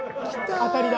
当たりだ。